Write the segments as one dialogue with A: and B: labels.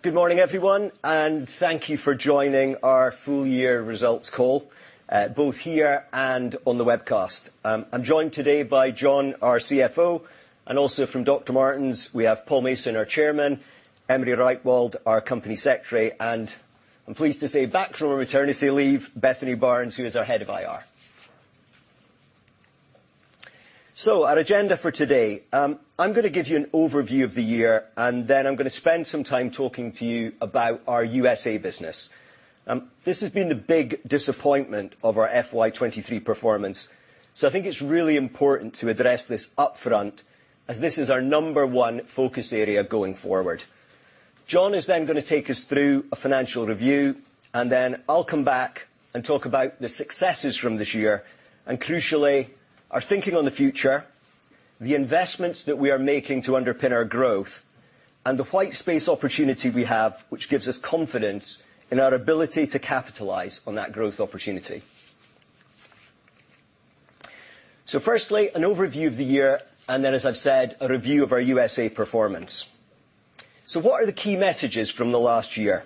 A: Good morning, everyone, and thank you for joining our full-year results call, both here and on the webcast. I'm joined today by John, our CFO, and also from Dr. Martens, we have Paul Mason, our chairman, Emily Reichwald, our company secretary, and I'm pleased to say back from her maternity leave, Bethany Barnes, who is our head of IR. Our agenda for today: I'm gonna give you an overview of the year, and then I'm gonna spend some time talking to you about our USA business. This has been the big disappointment of our FY23 performance. I think it's really important to address this upfront, as this is our number one focus area going forward. John is then gonna take us through a financial review, and then I'll come back and talk about the successes from this year and, crucially, our thinking on the future, the investments that we are making to underpin our growth, and the white space opportunity we have, which gives us confidence in our ability to capitalise on that growth opportunity. Firstly, an overview of the year and then, as I've said, a review of our USA performance. What are the key messages from the last year?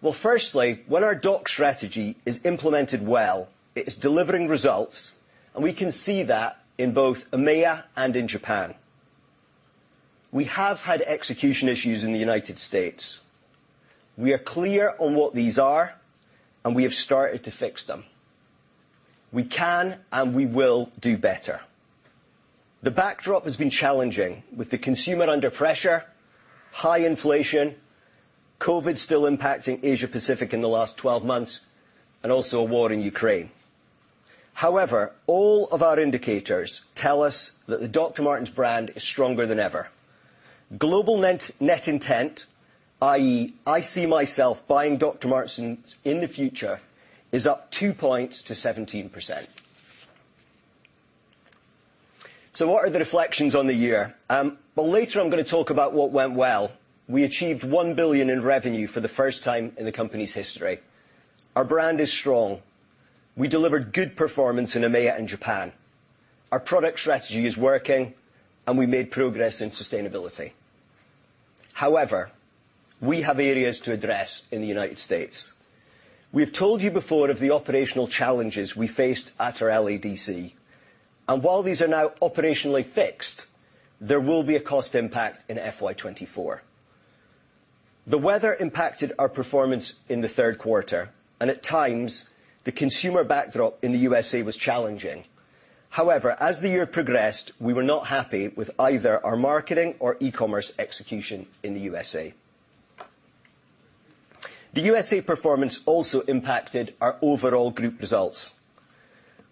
A: Well, firstly, when our DTC strategy is implemented well, it is delivering results, and we can see that in both EMEA and in Japan. We have had execution issues in the United States. We are clear on what these are, and we have started to fix them. We can, and we will do better. The backdrop has been challenging, with the consumer under pressure, high inflation, COVID still impacting Asia-Pacific in the last 12 months, and also a war in Ukraine. However, all of our indicators tell us that the Dr. Martens brand is stronger than ever. Global net intent, i.e., "I see myself buying Dr. Martens in the future," is up 2 points to 17%. What are the reflections on the year? Well, later I'm gonna talk about what went well. We achieved 1 billion in revenue for the first time in the company's history. Our brand is strong. We delivered good performance in EMEA and Japan. Our product strategy is working, and we made progress in sustainability. However, we have areas to address in the United States. We've told you before of the operational challenges we faced at our LADC, and while these are now operationally fixed, there will be a cost impact in FY24. The weather impacted our performance in the third quarter, and at times, the consumer backdrop in the USA was challenging. However, as the year progressed, we were not happy with either our marketing or e-commerce execution in the USA. The USA performance also impacted our overall group results.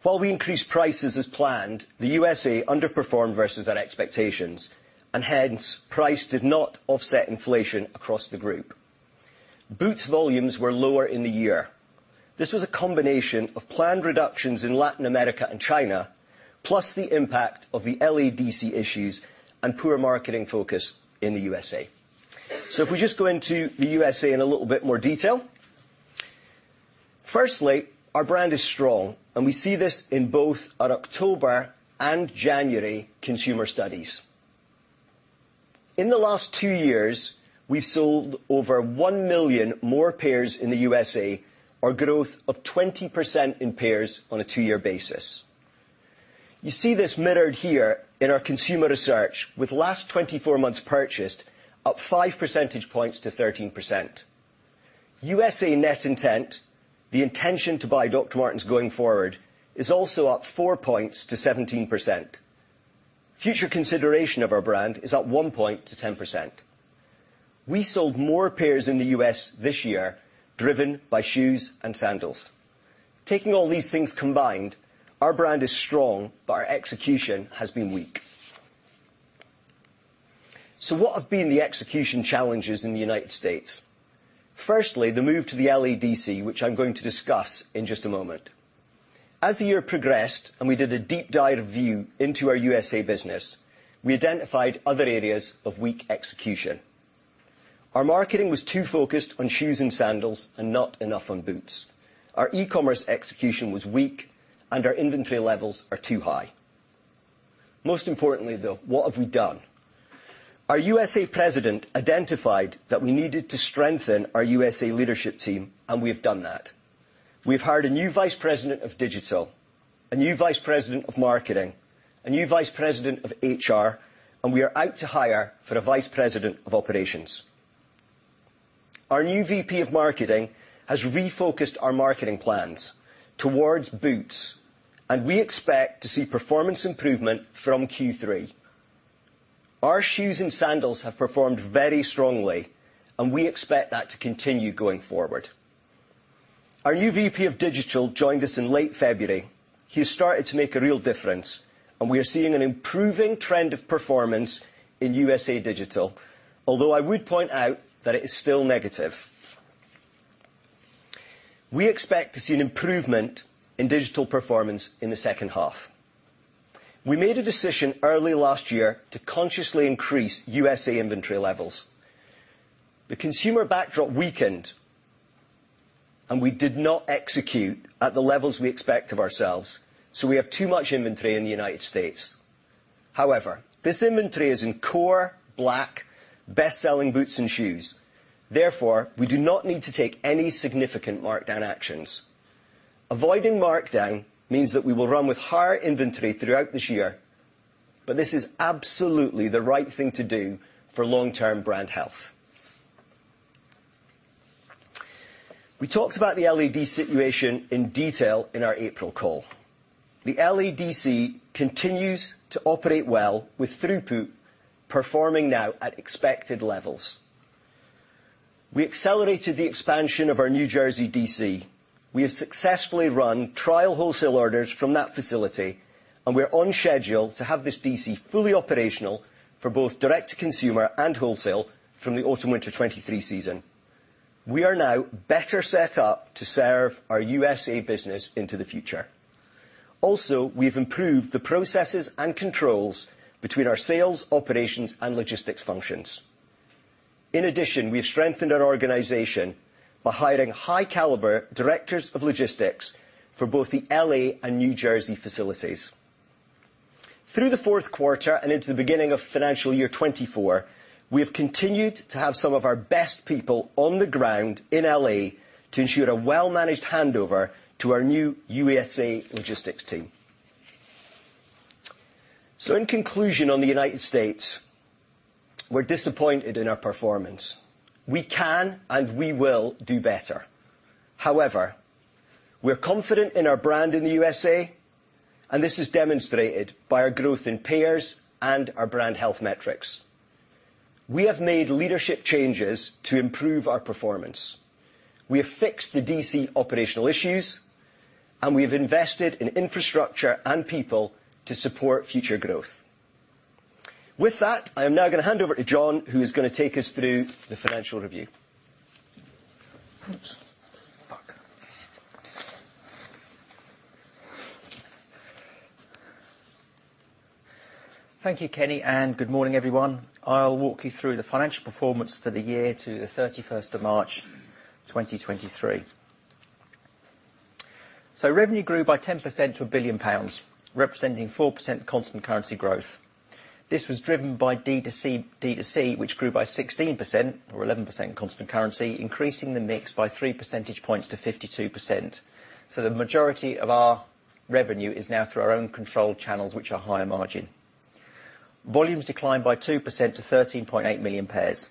A: While we increased prices as planned, the USA underperformed versus our expectations, and hence, price did not offset inflation across the group. Boots volumes were lower in the year. This was a combination of planned reductions in Latin America and China, plus the impact of the LADC issues and poor marketing focus in the USA. If we just go into the USA in a little bit more detail. Our brand is strong. We see this in both our October and January consumer studies. In the last 2 years, we've sold over 1 million more pairs in the USA, or growth of 20% in pairs on a two-year basis. You see this mirrored here in our consumer research, with last 24 months purchased up 5 percentage points to 13%. USA net intent, the intention to buy Dr. Martens going forward, is also up 4 points to 17%. Future consideration of our brand is up 1 point to 10%. We sold more pairs in the U.S. this year, driven by shoes and sandals. Taking all these things combined, our brand is strong. Our execution has been weak. What have been the execution challenges in the United States? The move to the LADC, which I'm going to discuss in just a moment. As the year progressed and we did a deep dive view into our USA business, we identified other areas of weak execution. Our marketing was too focused on shoes and sandals and not enough on boots. Our e-commerce execution was weak, and our inventory levels are too high. Most importantly, though, what have we done? Our USA President identified that we needed to strengthen our USA leadership team, and we've done that. We've hired a new vice president of digital, a new vice president of marketing, a new vice president of HR, and we are out to hire for a vice president of operations. Our new VP of marketing has refocused our marketing plans towards boots, and we expect to see performance improvement from Q3. Our shoes and sandals have performed very strongly, and we expect that to continue going forward. Our new V.P. of digital joined us in late February. He has started to make a real difference, and we are seeing an improving trend of performance in USA digital, although I would point out that it is still negative. We expect to see an improvement in digital performance in the second half. We made a decision early last year to consciously increase USA inventory levels. The consumer backdrop weakened, and we did not execute at the levels we expect of ourselves, so we have too much inventory in the United States. However, this inventory is in core, black, best-selling boots and shoes; therefore, we do not need to take any significant markdown actions. Avoiding markdown means that we will run with higher inventory throughout this year, but this is absolutely the right thing to do for long-term brand health. We talked about the LADC situation in detail in our April call. The LADC continues to operate well, with throughput performing now at expected levels. We accelerated the expansion of our New Jersey DC. We have successfully run trial wholesale orders from that facility, and we're on schedule to have this DC fully operational for both direct-to-consumer and wholesale from the autumn/winter 2023 season. We are now better set up to serve our USA business into the future. Also, we've improved the processes and controls between our sales, operations, and logistics functions. In addition, we've strengthened our organisation by hiring high-calibre. Good directors of logistics for both the L.A. and New Jersey facilities. Through the fourth quarter and into the beginning of financial year 24, we have continued to have some of our best people on the ground in L.A. to ensure a well-managed handover to our new USA logistics team. In conclusion, on the United States, we're disappointed in our performance. We can, and we will, do better. However, we're confident in our brand in the USA, and this is demonstrated by our growth in pairs and our brand health metrics. We have made leadership changes to improve our performance. We have fixed the D.C. operational issues, and we have invested in infrastructure and people to support future growth. With that, I am now gonna hand over to John, who is gonna take us through the financial review. Oops!
B: Thank you, Kenny. Good morning, everyone. I'll walk you through the financial performance for the year to the 31st of March, 2023. Revenue grew by 10% to 1 billion pounds, representing 4% constant currency growth. This was driven by D2C, which grew by 16%, or 11% constant currency, increasing the mix by 3 percentage points to 52%. The majority of our revenue is now through our own controlled channels, which are higher margin. Volumes declined by 2% to 13.8 million pairs.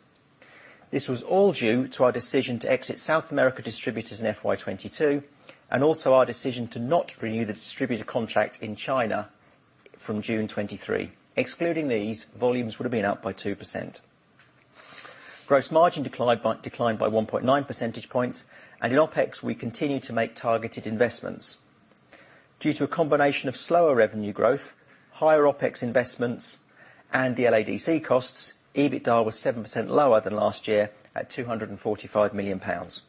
B: This was all due to our decision to exit South America distributors in FY22, and also our decision to not renew the distributor contract in China from June 2023. Excluding these, volumes would have been up by 2%. Gross margin declined by 1.9 percentage points. In OpEx, we continued to make targeted investments. Due to a combination of slower revenue growth, higher OpEx investments, and the LADC costs, EBITDA was 7% lower than last year, at 245 million pounds.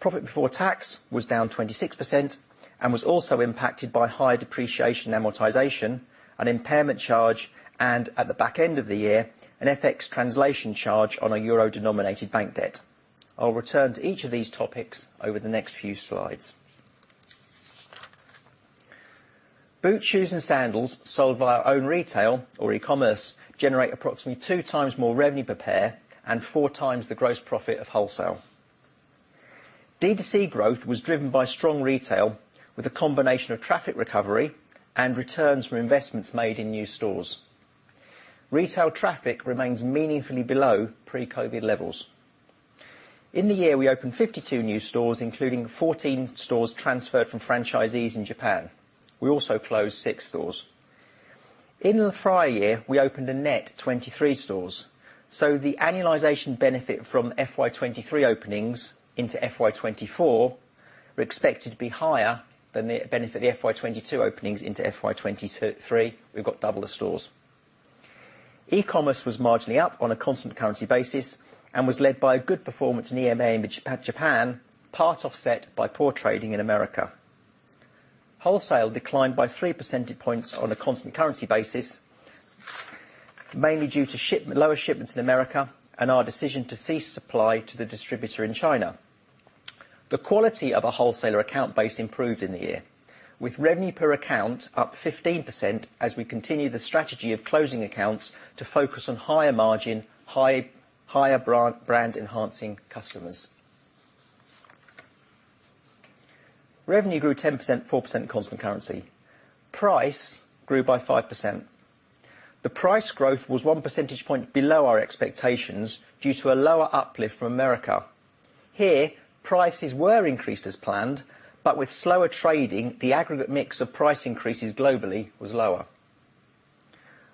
B: Profit before tax was down 26% and was also impacted by higher depreciation amortisation, an impairment charge, and, at the back end of the year, an FX translation charge on a euro-denominated bank debt. I'll return to each of these topics over the next few slides. Boots, shoes, and sandals sold by our own retail or e-commerce generate approximately 2 times more revenue per pair and 4 times the gross profit of wholesale. D2C growth was driven by strong retail, with a combination of traffic recovery and returns from investments made in new stores. Retail traffic remains meaningfully below pre-COVID levels. In the year. The we opened 52 new stores, including 14 stores transferred from franchisees in Japan. We also closed 6 stores. In the prior year, we opened a net 23 stores. The annualization benefit from FY23 openings into FY24 are expected to be higher than the benefit of the FY22 openings into FY23. We've got double the stores. E-commerce was marginally up on a constant currency basis and was led by a good performance in EMEA in Japan, part offset by poor trading in America. Wholesale declined by 3 percentage points on a constant currency basis, mainly due to Lower shipments in America and our decision to cease supply to the distributor in China. The quality of our wholesaler account base improved in the year, with revenue per account up 15% as we continue the strategy of closing accounts to focus on higher margin, higher brand-enhancing customers. Revenue grew 10%, 4% constant currency. Price grew by 5%. The price growth was 1 percentage point below our expectations due to a lower uplift from America. Here, prices were increased as planned, but with slower trading, the aggregate mix of price increases globally was lower.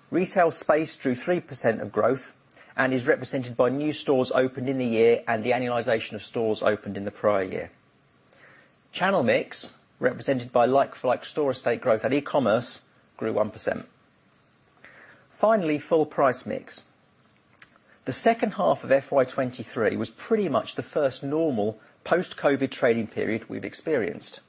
B: Retail space drew 3% of growth and is represented by new stores opened in the year and the annualization of stores opened in the prior year. Channel mix, represented by like-for-like store estate growth and e-commerce, grew 1%. Full price mix. The second half of FY23 was pretty much the first normal post-COVID trading period we've experienced.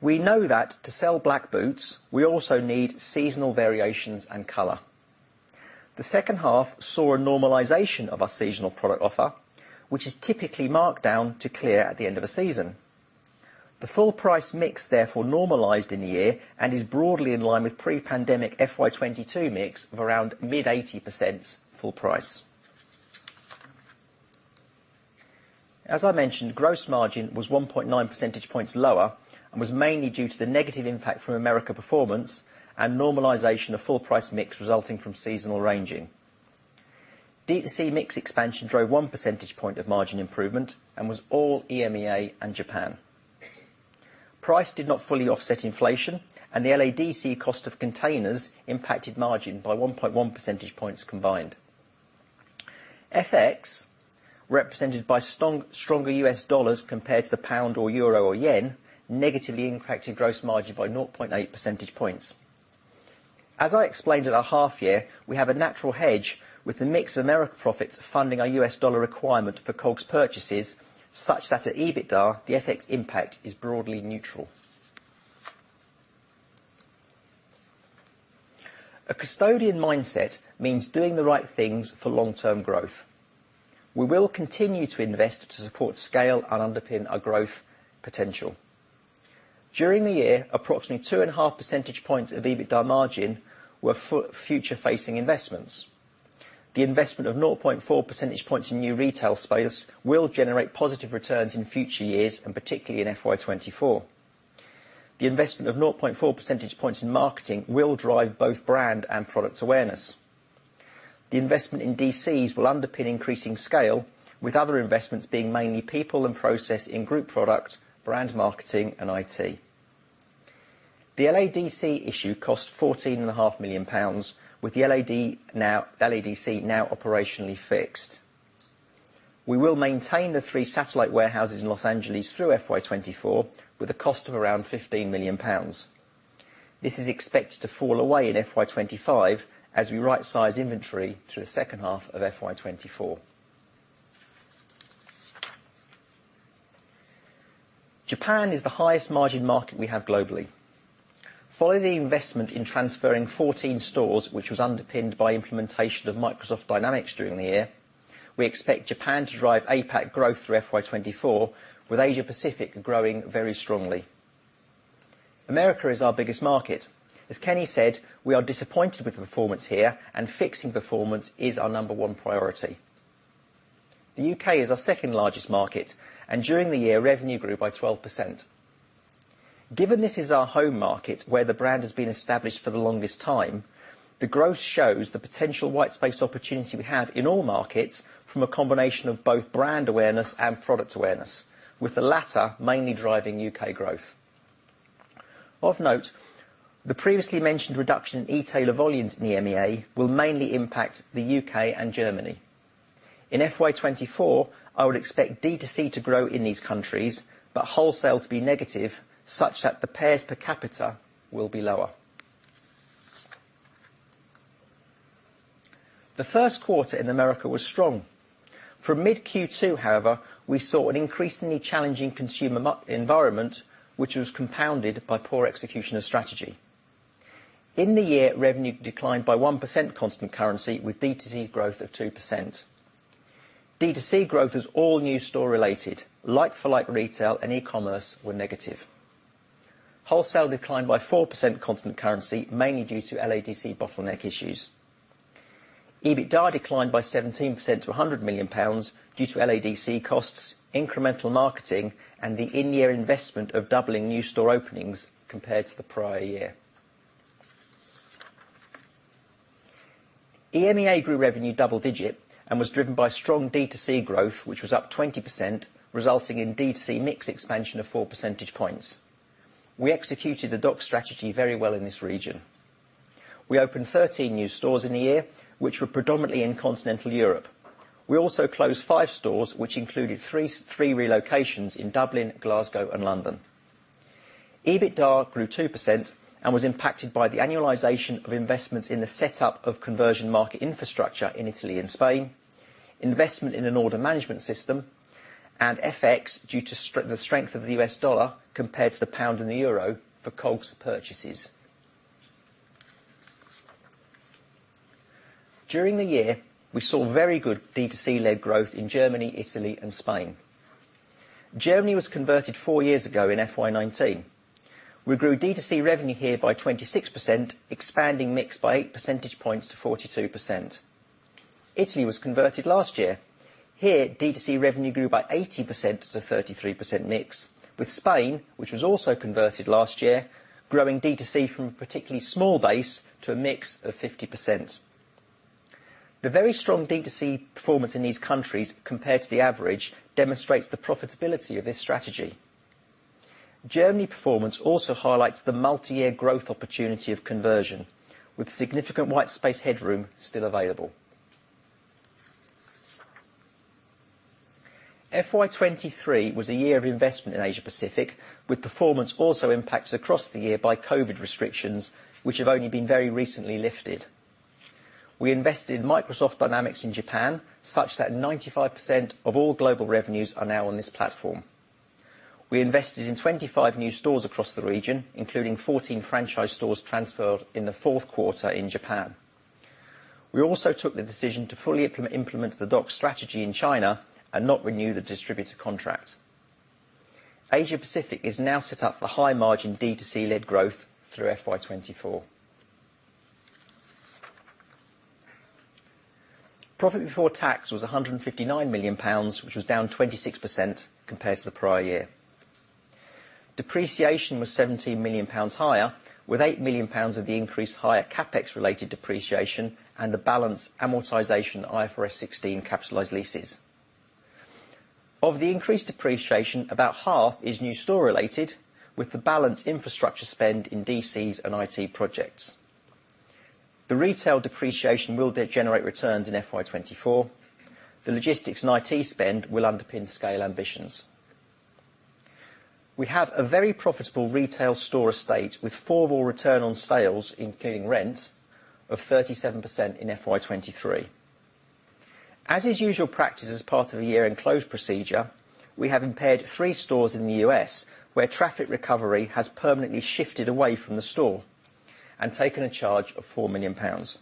B: We know that to sell black boots, we also need seasonal variations and color. The second half saw a normalisation of our seasonal product offer, which is typically marked down to clear at the end of a season. The full price mix therefore, normalised in the year and is broadly in line with pre-pandemic FY22 mix of around mid 80% full price. As I mentioned, gross margin was 1.9 percentage points lower, was mainly due to the negative impact from America performance and normalisation of full price mix resulting from seasonal ranging. DTC mix expansion drove 1 percentage point of margin improvement and was all EMEA and Japan. Price did not fully offset inflation; the LADC cost of containers impacted margin by 1.1 percentage points combined. FX, represented by strong, stronger US dollars compared to the pound, euro or yen, negatively impacted gross margin by 0.8 percentage points. As I explained at our half-year, we have a natural hedge with the mix of America profits funding our US dollar requirement for COGS purchases, such that at EBITDA, the FX impact is broadly neutral. A custodian mindset means doing the right things for long-term growth. We will continue to invest to support scale and underpin our growth potential. During the year, approximately 2.5 percentage points of EBITDA margin were future-facing investments. The investment of 0.4 percentage points in new retail space will generate positive returns in future years, and particularly in FY24. The investment of 0.4 percentage points in marketing will drive both brand and product awareness. The investment in DCs will underpin increasing scale, with other investments being mainly people and process in group product, brand marketing, and IT. The LADC issue cost fourteen and a half million pounds, with the LADC now operationally fixed. We will maintain the three satellite warehouses in Los Angeles through FY 2024, with a cost of around 15 million pounds. This is expected to fall away in FY 2025 as we rightsize inventory through the second half of FY 2024. Japan is the highest margin market we have globally. Following the investment in transferring 14 stores, which was underpinned by implementation of Microsoft Dynamics during the year, we expect Japan to drive APAC growth through FY 2024, with Asia Pacific growing very strongly. America is our biggest market. As Kenny said, we are disappointed with the performance here. Fixing performance is our number one priority. The UK is our second-largest market, and during the year, revenue grew by 12%. Given this is our home market, where the brand has been established for the longest time, the growth shows the potential white space opportunity we have in all markets from a combination of both brand awareness and product awareness, with the latter mainly driving UK growth. Of note, the previously mentioned reduction in e-tailer volumes in EMEA will mainly impact the UK and Germany. In FY24, I would expect DTC to grow in these countries, but wholesale to be negative, such that the pairs per capita will be lower. The first quarter in America was strong. From mid Q2, however, we saw an increasingly challenging consumer environment, which was compounded by poor execution of strategy. In the year, revenue declined by 1% constant currency, with DTC growth of 2%. DTC growth is all new store-related. Like-for-like, retail and e-commerce were negative. Wholesale declined by 4% constant currency, mainly due to LADC bottleneck issues. EBITDA declined by 17% to 100 million pounds due to LADC costs, incremental marketing, and the in-year investment of doubling new store openings compared to the prior year. EMEA grew revenue double-digithigh-marginapitalised and was driven by strong DTC growth, which was up 20%, resulting in DTC mix expansion of 4 percentage points. We executed the DOC strategy very well in this region. We opened 13 new stores in the year, which were predominantly in continental Europe. We also closed 5 stores, which included 3 relocations in Dublin, Glasgow, and London. EBITDA grew 2% and was impacted by the annualization of investments in the setup of conversion market infrastructure in Italy and Spain, investment in an order management system, and FX, due to the strength of the US dollar compared to the pound and the euro for COGS purchases. During the year, we saw very good DTC-led growth in Germany, Italy, and Spain. Germany was converted four years ago in FY19. We grew DTC revenue here by 26%, expanding mix by 8 percentage points to 42%. Italy was converted last year. Here, DTC revenue grew by 80% to 33% mix, with Spain, which was also converted last year, growing DTC from a particularly small base to a mix of 50%. The very strong DTC performance in these countries, compared to the average, demonstrates the profitability of this strategy. Germany performance also highlights the multi-year growth opportunity of conversion, with significant white space headroom still available. FY23 was a year of investment in Asia Pacific, with performance also impacted across the year by Covid restrictions, which have only been very recently lifted. We invested in Microsoft Dynamics in Japan, such that 95% of all global revenues are now on this platform. We invested in 25 new stores across the region, including 14 franchise stores transferred in the fourth quarter in Japan. We also took the decision to fully implement the DOC strategy in China and not renew the distributor contract. Asia Pacific is now set up for high-margintranslation-relatedfinalisin D2C-led growth through FY24. Profit before tax was 159 million pounds, which was down 26% compared to the prior year. Depreciation was 17 million pounds higher, with 8 million pounds of the increased higher CapEx related depreciation and the balance amortization IFRS 16 leases. Of the increased depreciation, about half is new store related, with the balance infrastructure spend in DCs and IT projects. The retail depreciation will generate returns in FY24. The logistics and IT spend will underpin scale ambitions. We have a very profitable retail store estate, with four-wall return on sales, including rent, of 37% in FY23. As is usual practice, as part of a year-end close procedure, we have impaired three stores in the US, where traffic recovery has permanently shifted away from the store, and taken a charge of 4 million pounds.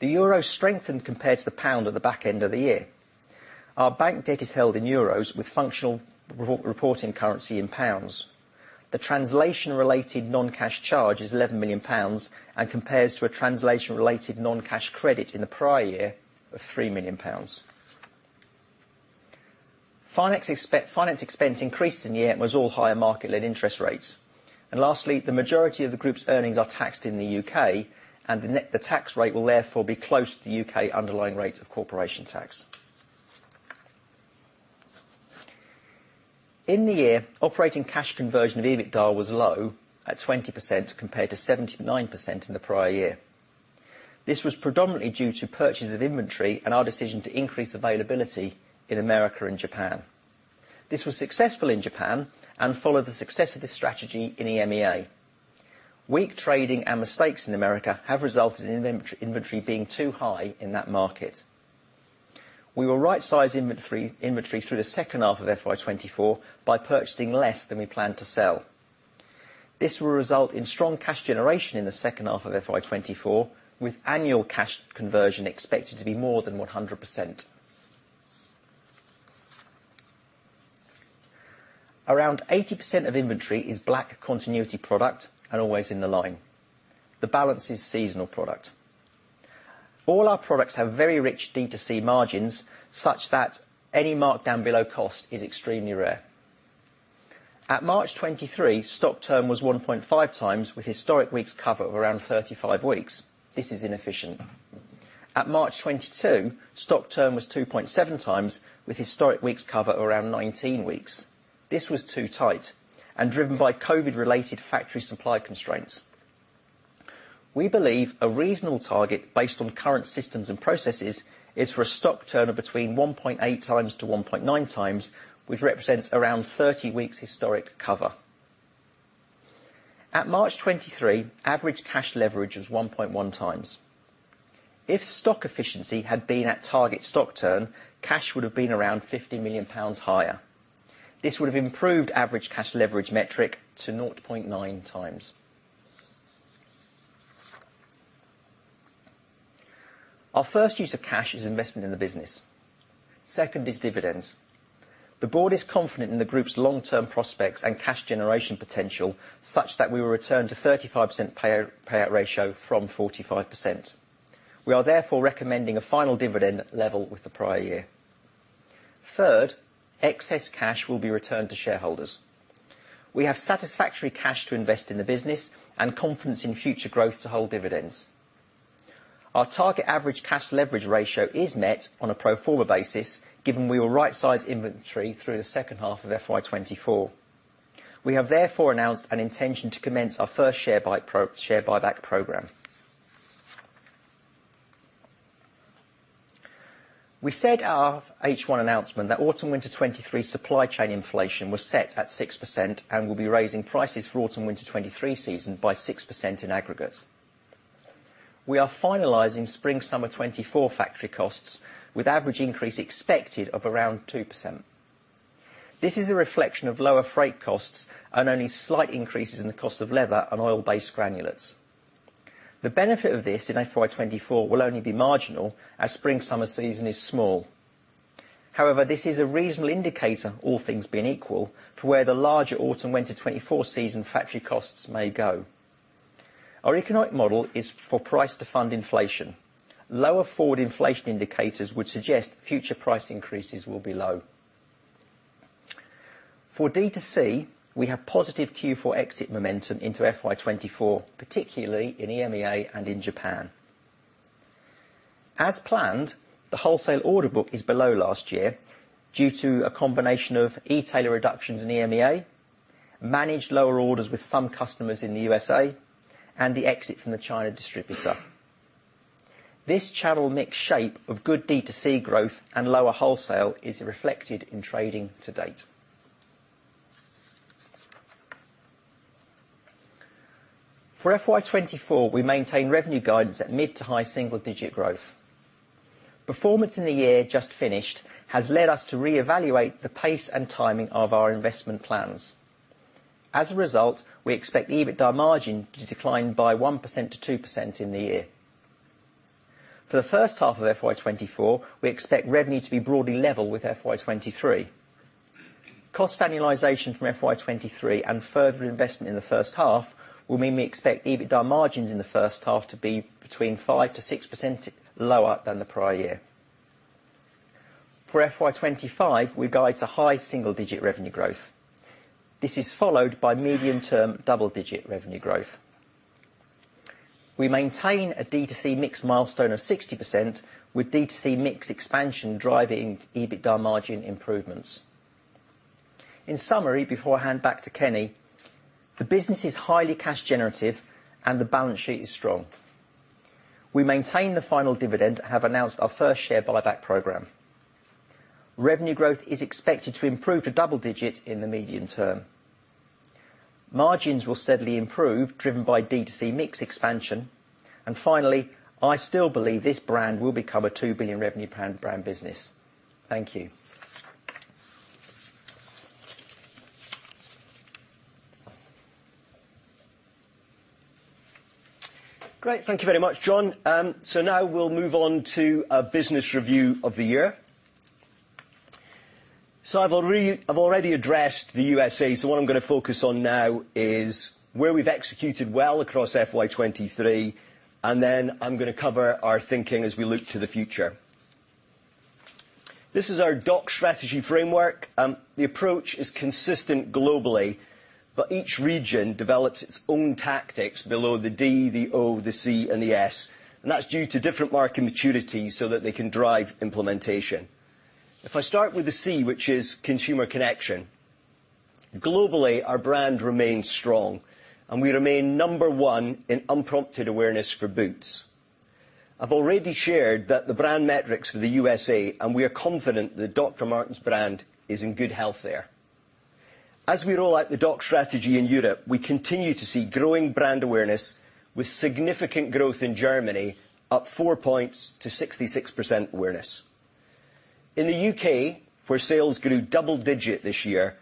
B: The euro strengthened compared to the pound at the back end of the year. Our bank debt is held in EUR, with functional reporting currency in GBP. The translation-related non-cash charge is 11 million pounds, and compares to a translation related non-cash credit in the prior year of 3 million pounds. Finance expense increased in the year, and was all higher market-led interest rates. Lastly, the majority of the group's earnings are taxed in the UK, and the tax rate will therefore be close to the UK underlying rate of corporation tax. In the year, operating cash conversion of EBITDA was low, at 20% compared to 79% in the prior year. This was predominantly due to purchase of inventory and our decision to increase availability in America and Japan. This was successful in Japan and followed the success of this strategy in EMEA. Weak trading and mistakes in America have resulted in inventory being too high in that market. We will right-size inventory through the second half of FY24 by purchasing less than we plan to sell. This will result in strong cash generation in the second half of FY24, with annual cash conversion expected to be more than 100%. Around 80% of inventory is black continuity product and always in the line. The balance is seasonal product. All our products have very rich D2C margins, such that any markdown below cost is extremely rare. At March 2023, stock turn was 1.5 times, with historic weeks cover of around 35 weeks. This is inefficient. At March 2022, stock turn was 2.7 times, with historic weeks cover around 19 weeks. This was too tight and driven by Covid-related factory supply constraints. We believe a reasonable target based on current systems and processes is for a stock turn of between 1.8 times to 1.9 times, which represents around 30 weeks' historic cover. At March 2023, average cash leverage was 1.1 times. If stock efficiency had been at target stock turn, cash would have been around 50 million pounds higher. This would have improved average cash leverage metric to 0.9 times. Our first use of cash is investment in the business. Second is dividends. The board is confident in the group's long-term prospects and cash generation potential, such that we will return to 35% payout ratio from 45%. We are therefore recommending a final dividend level with the prior year. Third, excess cash will be returned to shareholders. We have satisfactory cash to invest in the business and confidence in future growth to hold dividends. Our target average cash leverage ratio is met on a pro forma basis, given we will right-size inventory through the second half of FY24. We have therefore announced an intention to commence our first share buyback program. We said our H1 announcement that autumn/winter 2023 supply chain inflation was set at 6% and will be raising prices for autumn/winter 2023 season by 6% in aggregate. We are finalizing spring/summer 2024 factory costs, with average increase expected of around 2%. This is a reflection of lower freight costs and only slight increases in the cost of leather and oil-based granulates. The benefit of this in FY24 will only be marginal, as spring/summer season is small. However, this is a reasonable indicator, all things being equal, for where the larger autumn/winter 2024 season factory costs may go. Our economic model is for price to fund inflation. Lower forward inflation indicators would suggest future price increases will be low. For D2C, we have positive Q4 exit momentum into FY24, particularly in EMEA and in Japan. As planned, the wholesale order book is below last year due to a combination of e-tailer reductions in EMEA, managed lower orders with some customers in the USA, and the exit from the China distributor. This channel mix shape of good D2C growth and lower wholesale is reflected in trading to date. For FY24, we maintain revenue guidance at mid to high single-digit growth. Performance in the year just finished has led us to reevaluate the pace and timing of our investment plans. As a result, we expect EBITDA margin to decline by 1%-2% in the year. For the first half of FY24, we expect revenue to be broadly level with FY23. Cost annualization from FY23 and further investment in the first half will mean we expect EBITDA margins in the first half to be between 5%-6% lower than the prior year. For FY25, we guide to high single-digit revenue growth. This is followed by medium-term double-digit revenue growth. We maintain a D2C mix milestone of 60%, with D2C mix expansion driving EBITDA margin improvements. In summary, before I hand back to Kenny, the business is highly cash generative andDr the balance sheet is strong. We maintain the final dividend and have announced our first share buyback program. Revenue growth is expected to improve to double digits in the medium term. Margins will steadily improve, driven by D2C mix expansion. Finally, I still believe this brand will become a 2 billion revenue brand business. Thank you.
A: Great. Thank you very much, John. Now we'll move on to a business review of the year. I've already addressed the USA, so what I'm gonna focus on now is where we've executed well across FY23, and then I'm gonna cover our thinking as we look to the future. This is our DOC strategy framework. The approach is consistent globally, but each region develops its own tactics below the D, the O, the C, and the S, and that's due to different market maturities, so that they can drive implementation. If I start with the C, which is consumer connection. Globally, our brand remains strong, and we remain number 1 in unprompted awareness for Boots. I've already shared that the brand metrics for the USA, and we are confident that Dr. Martens' brand is in good health there. As we roll out the DOC strategy in Europe, we continue to see growing brand awareness, with significant growth in Germany, up 4 points to 66% awareness. In the U.K., where sales grew double-digit this year,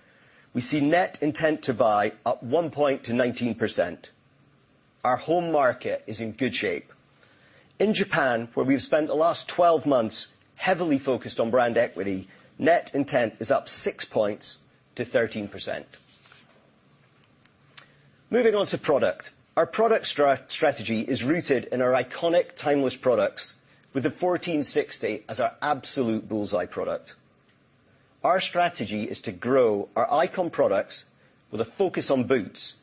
A: we see net intent to buy up 1 point to 19%. Our home market is in good shape. In Japan, where we've spent the last 12 months heavily focused on brand equity, net intent is up 6 points to 13%. Moving on to product. Our product strategy is rooted in our iconic, timeless products, with the 1460 as our absolute bull's-eye product. Our strategy is to grow our icon products with a focus on boots,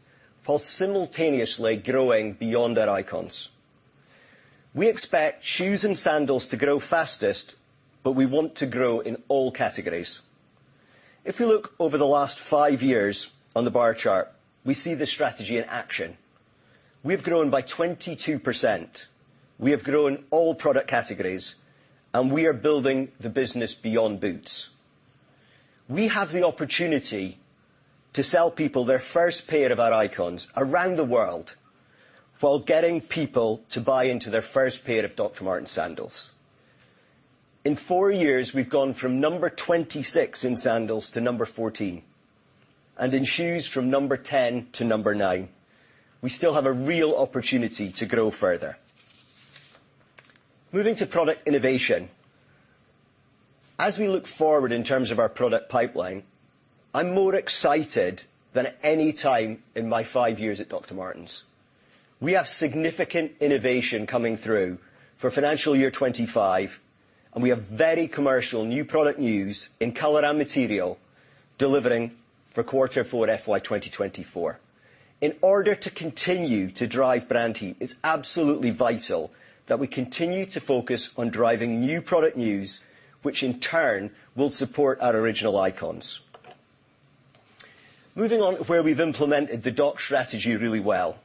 A: while simultaneously growing beyond our icons. We expect shoes and sandals to grow fastest, but we want to grow in all categories. If you look over the last five years on the bar chart, we see this strategy in action. We've grown by 22%. We have grown all product categories, and we are building the business beyond boots. We have the opportunity to sell people their first pair of our icons around the world, while getting people to buy into their first pair of Dr. Martens sandals. In 4 years, we've gone from number 26 in sandals to number 14, and in shoes from number 10 to number 9. We still have a real opportunity to grow further. Moving to product innovation. As we look forward in terms of our product pipeline, I'm more excited than any time in my 5 years at Dr. Martens. We have significant innovation coming through for financial year 2025, and we have very commercial new product news in color and material delivering for Q4 FY 2024. In order to continue to drive brand heat, it's absolutely vital that we continue to focus on driving new product news, which in turn will support our original icons. Moving on to where we've implemented the DOC strategy really well.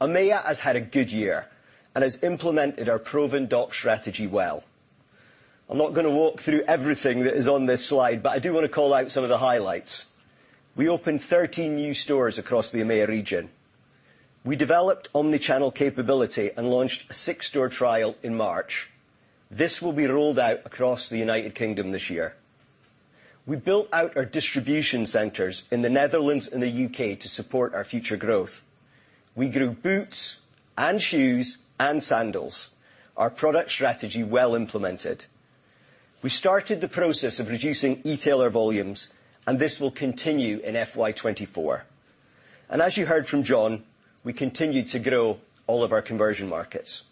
A: EMEA has had a good year and has implemented our proven DOC strategy well. I'm not going to walk through everything that is on this slide. I do want to call out some of the highlights. We opened 13 new stores across the EMEA region. We developed omnichannel capability and launched a six-store trial in March. This will be rolled out across the United Kingdom this year. We built out our distribution centres in the Netherlands and the U.K. to support our future growth. We grew boots,, shoes and sandals, our product strategy well implemented. We started the process of reducing e-tailer volumes. This will continue in FY24. As you heard from John, we continued to grow all of our conversion markets.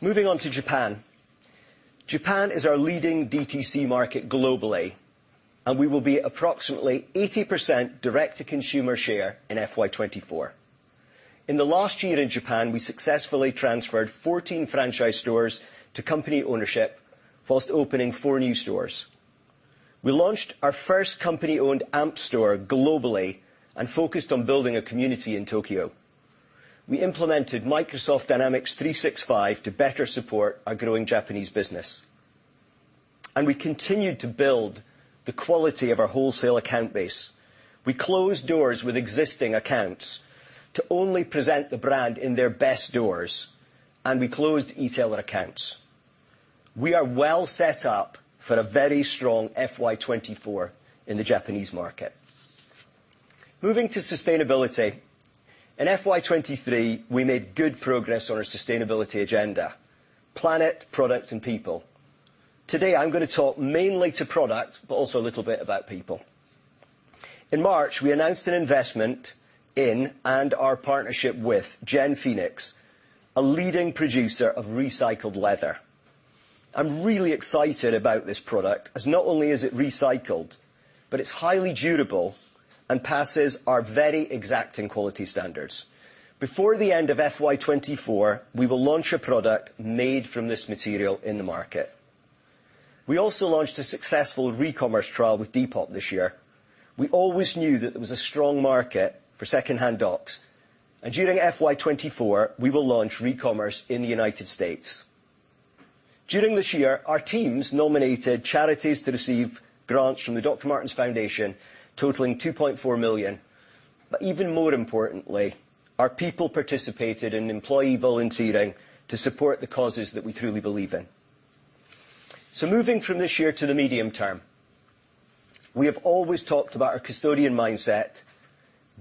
A: Moving on to Japan. Japan is our leading DTC market globally. We will be approximately 80% direct-to-consumer share in FY24. In the last year in Japan, we successfully transferred 14 franchise stores to company ownership, while opening 4 new stores. We launched our first company-owned AMP store globally and focused on building a community in Tokyo. We implemented Microsoft Dynamics 365 to better support our growing Japanese business. We continued to build the quality of our wholesale account base. We closed doors with existing accounts to only present the brand in their best doors. We closed e-tailer accounts. We are well set up for a very strong FY24 in the Japanese market. Moving to sustainability. In FY23, we made good progress on our sustainability agenda: planet, product, and people. Today, I'm gonna talk mainly to product, but also a little bit about people. In March, we announced an investment in and our partnership with Gen Phoenix, a leading producer of recycled leather. I'm really excited about this product, as not only is it recycled, but it's highly durable and passes our very exacting quality standards. Before the end of FY24, we will launch a product made from this material in the market. We also launched a successful recommerce trial with Depop this year. We always knew that there was a strong market for secondhand Docs, and during FY24, we will launch recommerce in the United States. During this year, our teams nominated charities to receive grants from the Dr. Martens Foundation, totaling 2.4 million. Even more importantly, our people participated in employee volunteering to support the causes that we truly believe in. Moving from this year to the medium term, we have always talked about our custodian mindset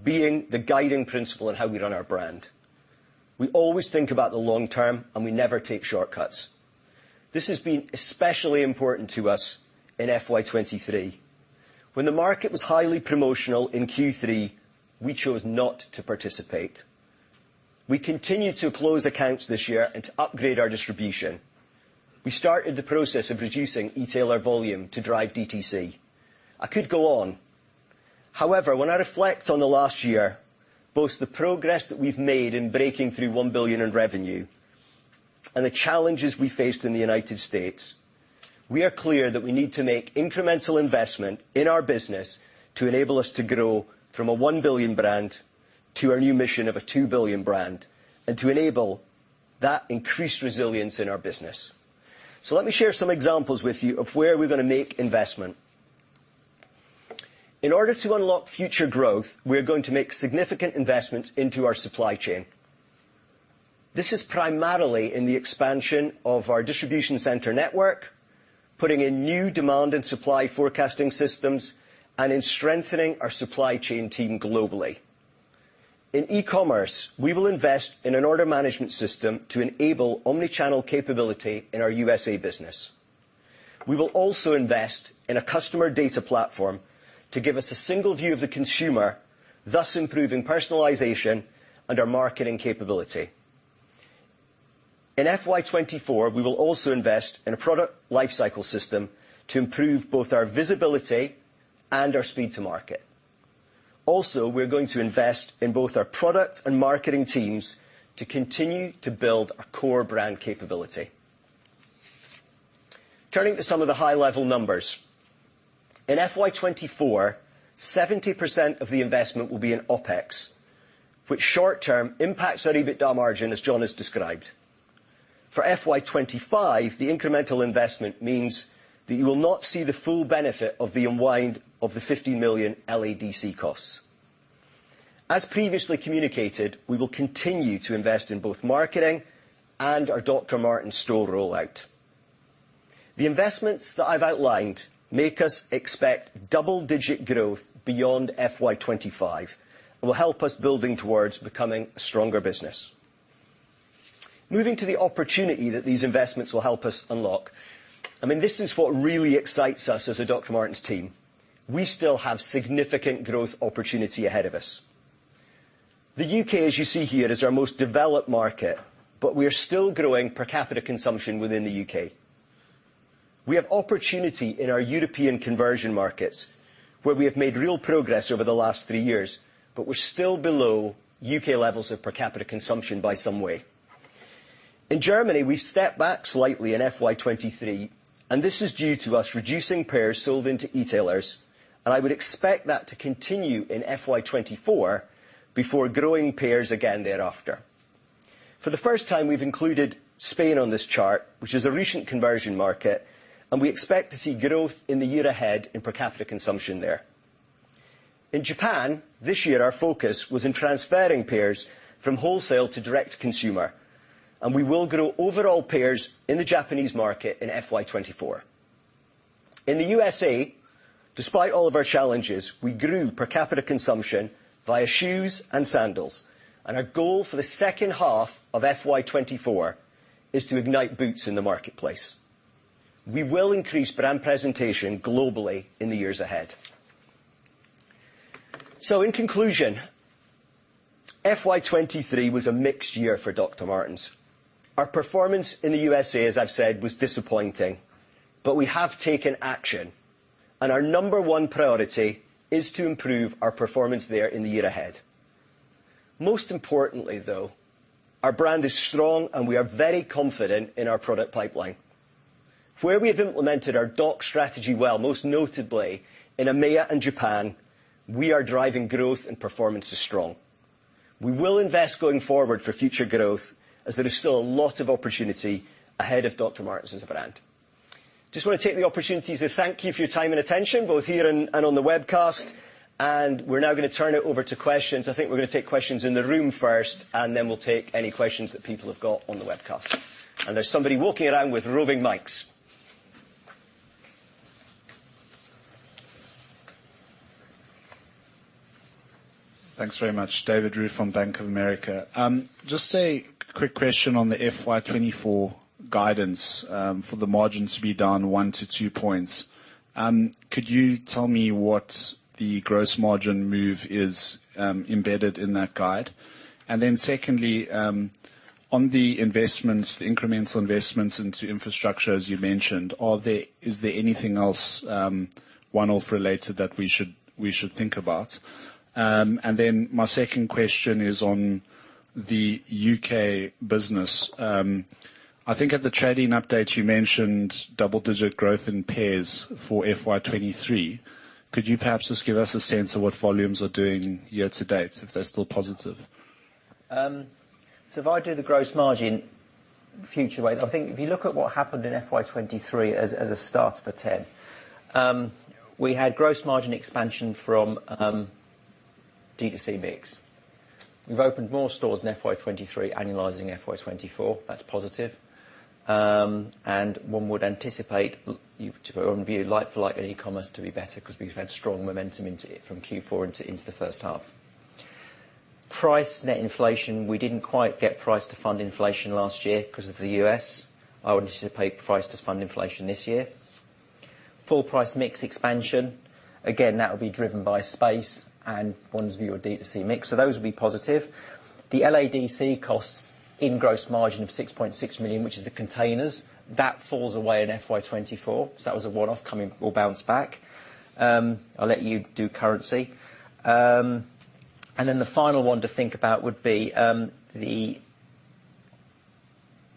A: being the guiding principle in how we run our brand. We always think about the long term, and we never take shortcuts. This has been especially important to us in FY23. When the market was highly promotional in Q3, we chose not to participate. We continued to close accounts this year and to upgrade our distribution. We started the process of reducing e-tailer volume to drive DTC. I could go on. However, when I reflect on the last year, both the progress that we've made in breaking through 1 billion in revenue and the challenges we faced in the United States, we are clear that we need to make incremental investment in our business to enable us to grow from a 1 billion brand to our new mission of a 2 billion brand, and to enable that increased resilience in our business. Let me share some examples with you of where we're gonna make investment. In order to unlock future growth, we're going to make significant investments into our supply chain. This is primarily in the expansion of our distribution center network, putting in new demand and supply forecasting systems, and in strengthening our supply chain team globally. In e-commerce, we will invest in an order management system to enable omnichannel capability in our USA business. We will also invest in a Customer Data Platform to give us a single view of the consumer, thus improving personalization and our marketing capability. In FY24, we will also invest in a Product Lifecycle System to improve both our visibility and our speed to market. Also, we're going to invest in both our product and marketing teams to continue to build our core brand capability. Turning to some of the high-level numbers. In FY24, 70% of the investment will be in OpEx, which short term impacts our EBITDA margin, as John has described. For FY25, the incremental investment means that you will not see the full benefit of the unwind of the 50 million LADC costs. As previously communicated, we will continue to invest in both marketing and our drDr. Martens store rollout. The investments that I've outlined make us expect double-digit growth beyond FY25 and will help us building towards becoming a stronger business. Moving to the opportunity that these investments will help us unlock, I mean, this is what really excites us as a Dr. Martens team. We still have significant growth opportunity ahead of us. The U.K., as you see here, is our most developed market, but we are still growing per capita consumption within the U.K. We have opportunity in our European conversion markets, where we have made real progress over the last three years, but we're still below U.K. levels of per capita consumption by some way. In Germany, we've stepped back slightly in FY23, and this is due to us reducing pairs sold into e-tailers, and I would expect that to continue in FY24 before growing pairs again thereafter. For the first time, we've included Spain on this chart, which is a recent conversion market, and we expect to see growth in the year ahead in per capita consumption there. In Japan, this year, our focus was in transferring pairs from wholesale to direct consumer, and we will grow overall pairs in the Japanese market in FY24. In the USA, despite all of our challenges, we grew per capita consumption via shoes and sandals, and our goal for the second half of FY24 is to ignite boots in the marketplace. We will increase brand presentation globally in the years ahead. In conclusion, FY23 was a mixed year for Dr. Martens. Our performance in the USA, as I've said, was disappointing, but we have taken action, and our number one priority is to improve our performance there in the year ahead. Most importantly, though, our brand is strong. We are very confident in our product pipeline. Where we have implemented our DTC strategy well, most notably in EMEA and Japan, we are driving growth, and performance is strong. We will invest going forward for future growth as there is still a lot of opportunity ahead of Dr. Martens as a brand. Just wanna take the opportunity to thank you for your time and attention, both here and on the webcast. We're now gonna turn it over to questions. I think we're gonna take questions in the room first. We'll take any questions that people have got on the webcast. There's somebody walking around with roving mics.
C: Thanks very much. David Roux from Bank of America. Just a quick question on the FY24 guidance for the margin to be down 1-2 points. Could you tell me what the gross margin move is embedded in that guide? Secondly, on the investments, the incremental investments into infrastructure, as you mentioned, is there anything else one-off related that we should think about? My second question is on the U.K. business. I think at the trading update, you mentioned double-digit growth in pairs for FY23. Could you perhaps just give us a sense of what volumes are doing year-to-date, if they're still positive?
B: If I do the gross margin future way, I think if you look at what happened in FY23 as a starter for 10, we had gross margin expansion from D2C mix. We've opened more stores in FY23, annualizing FY24. That's positive. One would anticipate, to our own view, like for like, e-commerce to be better 'cause we've had strong momentum into it from Q4 into the first half. Price net inflation, we didn't quite get price to fund inflation last year because of the U.S. I would anticipate price to fund inflation this year. Full price mix expansion, again, that would be driven by space and one's view of D2C mix; those will be positive. The LADC costs in gross margin of 6.6 million, which is the containers; we,, that falls away in FY24. That was a one-off coming, will bounce back. I'll let you do currency. The final one to think about would be the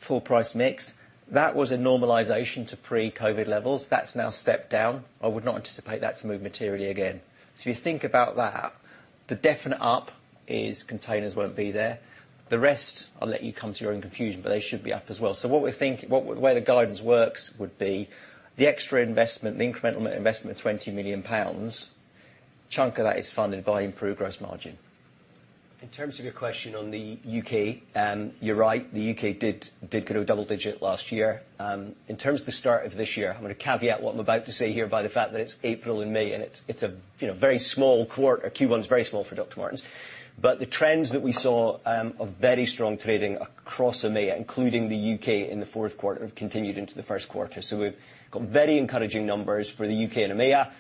B: full price mix. That was a normalization to pre-COVID levels. That's now stepped down. I would not anticipate that to move materially again. If you think about that, the definite up is containers won't be there. The rest, I'll let you come to your own confusion, they should be up as well. What we think, where the guidance works would be the extra investment, the incremental investment of 20 million pounds, chunk of that is funded by improved gross margin. In terms of your question on the U.K., you're right, the U.K. did grow double-digit last year. In terms of the start of this year, I'm gonna caveat what I'm about to say here by the fact that it's April and May, and it's a, you know, very small quarter. Q1 is very small for Dr. Martens. The trends that we saw are very strong trading across EMEA, including the U.K. in the fourth quarter, have continued into the first quarter. We've got very encouraging numbers for the U.K. and EMEA,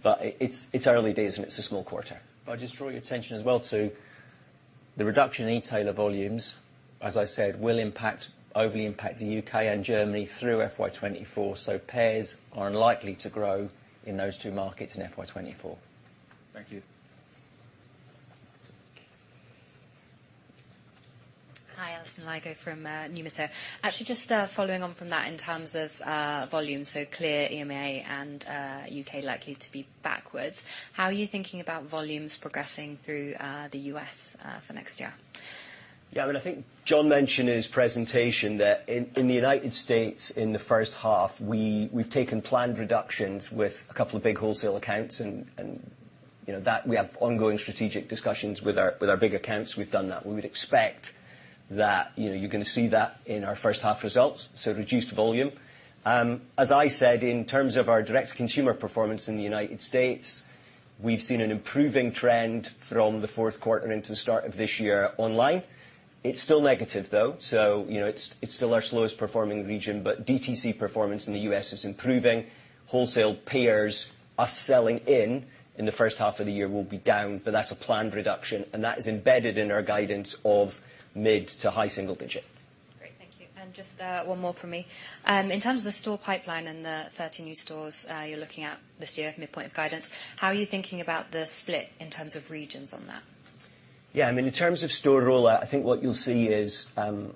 B: but it's early days, and it's a small quarter. I just draw your attention as well to the reduction in e-tailer volumes, as I said, will impact, overly impact the UK and Germany through FY24. Pairs are unlikely to grow in those two markets in FY24.
C: Thank you.
D: Hi, Alison Lygo from Numis. Actually, just following on from that, in terms of volume, clear EMEA and UK likely to be backwards. How are you thinking about volumes progressing through the US for next year?
A: Yeah, I mean, I think John mentioned in his presentation that in the United States, in the first half, we've taken planned reductions with a couple of big wholesale accounts and you know, that we have ongoing strategic discussions with our big accounts. We've done that. We would expect that, you know, you're gonna see that in our first half results. Reduced volume. As I said, in terms of our direct consumer performance in the United States, we've seen an improving trend from the fourth quarter into the start of this year online. It's still negative, though, you know, it's still our slowest performing region, but DTC performance in the US is improving. Wholesale pairs are selling in. In the first half of the year will be down, but that's a planned reduction, and that is embedded in our guidance of mid-to-high single-digit %.
D: Great, thank you. Just one more from me. In terms of the store pipeline and the 30 new stores you're looking at this year, mid-point of guidance, how are you thinking about the split in terms of regions on that?
A: I mean, in terms of store rollout, I think what you'll see is, you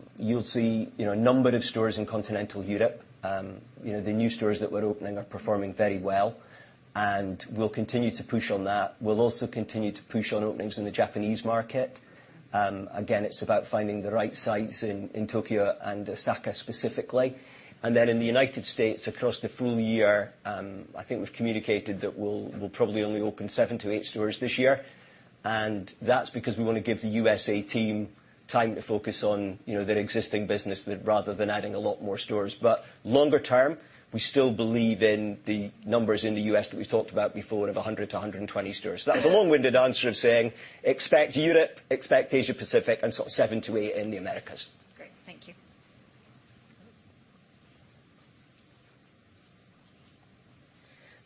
A: know, a number of stores in continental Europe. You know, the new stores that we're opening are performing very well, we'll continue to push on that. We'll also continue to push on openings in the Japanese market. Again, it's about finding the right sites in Tokyo and Osaka, specifically. In the United States, across the full year, I think we've communicated that we'll probably only open 7-8 stores this year. That's because we wanna give the USA team time to focus on, you know, their existing business rather than adding a lot more stores. Longer term, we still believe in the numbers in the US that we talked about before, of 100-120 stores. That's a long-winded answer of saying, expect Europe, expect Asia Pacific and sort of 7-8 in the Americas.
D: Great, thank you.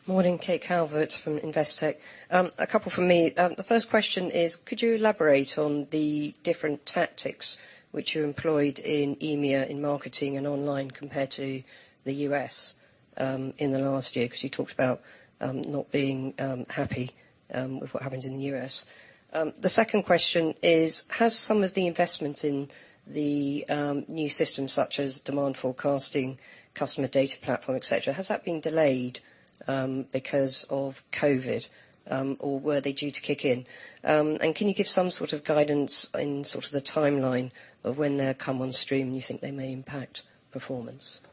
E: Morning, Kate Calvert from Investec. A couple from me. The first question is, could you elaborate on the different tactics which you employed in EMEA, in marketing and online, compared to the US, in the last year? Because you talked about not being happy with what happened in the US. The second question is, has some of the investment in the new systems, such as demand forecasting, Customer Data Platform, et cetera, has that been delayed because of COVID? Or were they due to kick in? And can you give some sort of guidance in sort of the timeline of when they'll come on stream, and you think they may impact performance? Thank you.
A: Yeah.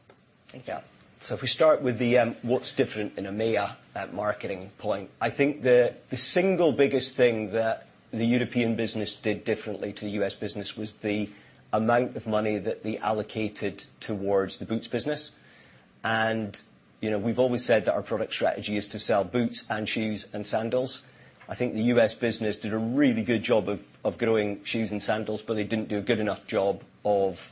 A: If we start with the what's different in EMEA at marketing point, I think the single biggest thing that the European business did differently to the U.S. business was the amount of money that they allocated towards the boots business. You know, we've always said that our product strategy is to sell boots, shoes and sandals. I think the U.S. business did a really good job of growing shoes and sandals, but they didn't do a good enough job of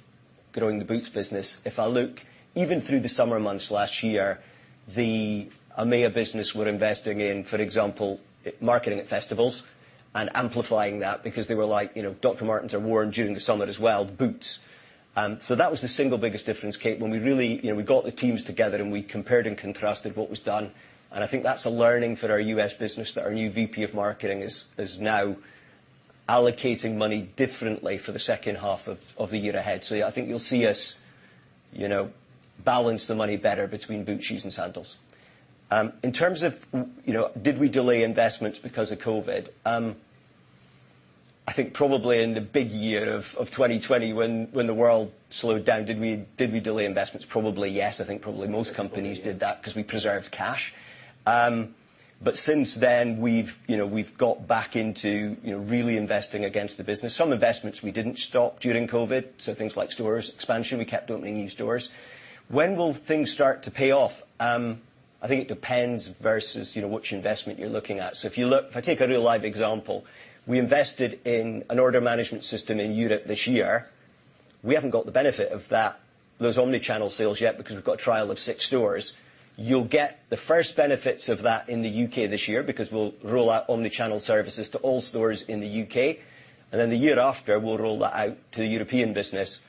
A: growing the boots business. If I look even through the summer months last year, the EMEA business were investing in, for example, marketing at festivals and amplifying that because they were like, "You know, Dr. Martens are worn during the summer as well. Boots." That was the single biggest difference, Kate, when we really... You know, we got the teams together, and we compared and contrasted what was done, and I think that's a learning for our U.S. business, that our new VP of marketing is now allocating money differently for the second half of the year ahead. I think you'll see us, you know, balance the money better between boots, shoes, and sandals. In terms of, you know, did we delay investments because of COVID? I think probably in the big year of 2020, when the world slowed down, did we delay investments? Probably, yes. I think probably most companies did that because we preserved cash. Since then, we've, you know, got back into, you know, really investing against the business. Some investments, we didn't stop during COVID. Things like stores expansion, we kept opening new stores. When will things start to pay off? I think it depends versus, you know, which investment you're looking at. If I take a real-life example, we invested in an order management system in Europe this year. We haven't got the benefit of that, those omnichannel sales yet, because we've got a trial of six stores. You'll get the first benefits of that in the UK this year, because we'll roll out omnichannel services to all stores in the UK. The year after, we'll roll that out to the European business.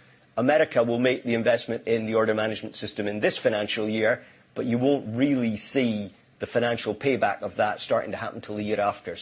A: America will make the investment in the order management system in this financial year, but you won't really see the financial payback of that starting to happen till the year after.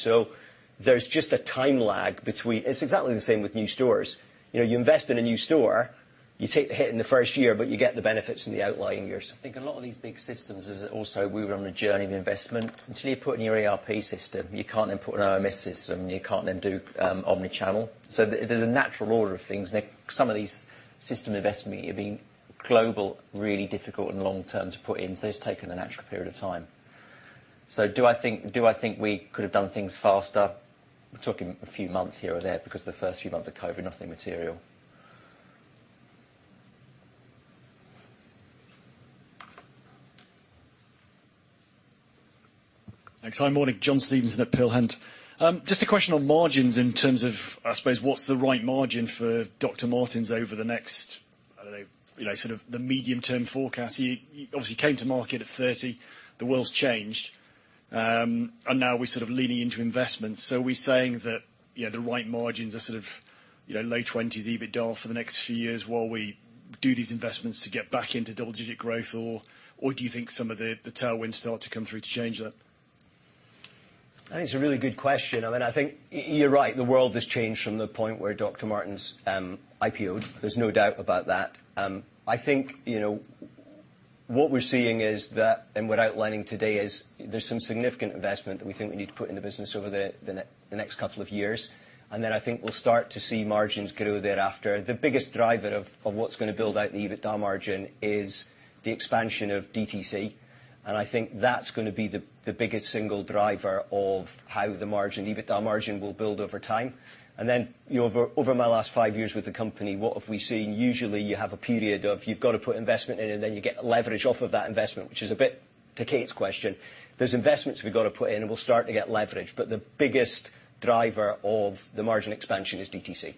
A: There's just a time lag between... It's exactly the same with new stores. You know, you invest in a new store, you take the hit in the first year, but you get the benefits in the outlying years.
B: I think a lot of these big systems is also we were on a journey of investment. Until you put in your ERP system, you can't then put an OMS system, and you can't then do, omnichannel. There's a natural order of things, and some of these system investment are being global, really difficult and long-term to put in, so it's taken a natural period of time. Do I think we could have done things faster? We're talking a few months here or there, because the first few months of COVID, nothing material.
F: Thanks. Hi, morning, John Stevenson at Peel Hunt. Just a question on margins in terms of, I suppose, what's the right margin for Dr. Martens over the next, I don't know, you know, sort of the medium-term forecast. You obviously came to market at 30%, the world's changed, now we're sort of leaning into investments. Are we saying that, you know, the right margins are sort of, you know, low 20s% EBITDA for the next few years while we do these investments to get back into double-digit growth? Or do you think some of the tailwinds start to come through to change that?
A: I think it's a really good question. I mean, I think you're right, the world has changed from the point where Dr. Martens, IPO'd. There's no doubt about that. I think, you know, what we're seeing is that, and we're outlining today, is there's some significant investment that we think we need to put in the business over the next couple of years. Then I think we'll start to see margins grow thereafter. The biggest driver of what's gonna build out the EBITDA margin is the expansion of DTC, and I think that's gonna be the biggest single driver of how the margin, EBITDA margin, will build over time. Then, you know, over my last five years with the company, what have we seen? Usually, you have a period of you've got to put investment in, and then you get leverage off of that investment, which is a bit to Kate's question. There's investments we've got to put in, and we're starting to get leverage, but the biggest driver of the margin expansion is DTC.